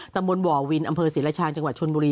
ตำบลบ่อวินอำเภอศรีรชาญจังหวัดชนบุรี